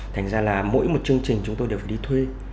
thành ra là mỗi một chương trình chúng tôi đều phải đi thuê